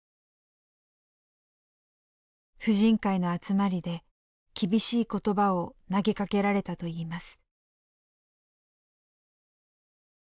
婦人会の集まりで厳しい言葉を投げかけられたといいます。